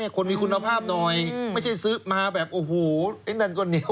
คนมีคุณภาพหน่อยไม่ใช่ซื้อมาแบบโอ้โหไอ้นั่นก็เหนียว